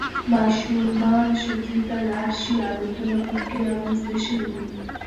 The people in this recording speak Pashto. ماشومان ښوونځي ته لاړ شي، عادتونه مخکې رامنځته شوي وي.